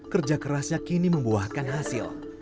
kerja kerasnya kini membuahkan hasil